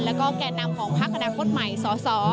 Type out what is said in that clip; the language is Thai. แล้วก็แก่นำของพักอนาคตใหม่สส